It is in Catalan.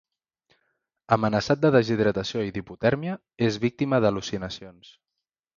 Amenaçat de deshidratació i d'hipotèrmia, és víctima d'al·lucinacions.